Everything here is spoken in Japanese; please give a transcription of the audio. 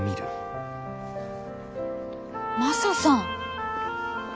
マサさん！